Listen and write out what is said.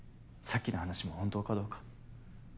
さっきの話も本当かどうか。